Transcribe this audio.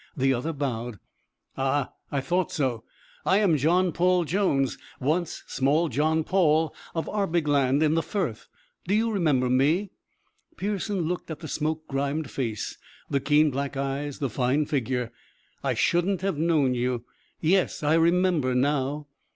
The other bowed. "Ah, I thought so. I am John Paul Jones, once small John Paul of Arbigland in the Firth. Do you remember me?" Pearson looked at the smoke grimed face, the keen black eyes, the fine figure. "I shouldn't have known you. Yes, I remember now."